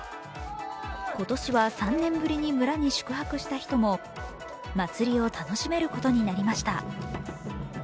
今年は３年ぶりに村に宿泊した人も祭りを楽しめることになりました。